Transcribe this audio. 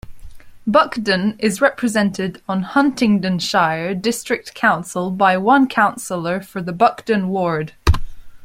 Buckden is represented on Huntingdonshire District Council by one councillor for the Buckden ward.